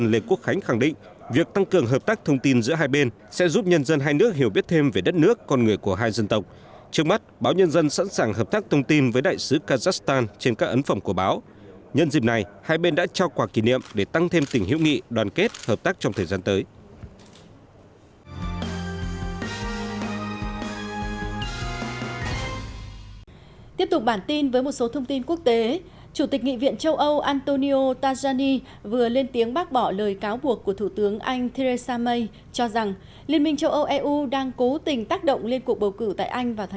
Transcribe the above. liên minh châu âu eu đang cố tình tác động liên cuộc bầu cử tại anh vào tháng sáu tới